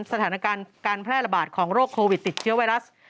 สถานการณ์การแพร่ระบาดของโรคโควิดติดเชื้อไวรัส